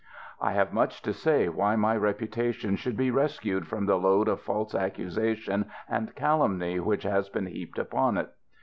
I have much to say why my reputation should be rescued from the load of false accusation and calumny which has been heaped upon it.